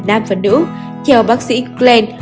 nam và nữ theo bác sĩ glenn